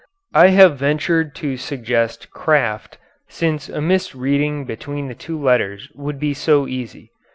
I have ventured to suggest crafte, since a misreading between the two letters would be so easy.